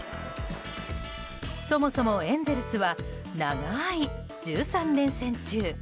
そもそもエンゼルスは長い１３連戦中。